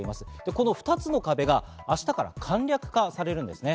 この２つの壁が明日から簡略化されるんですね。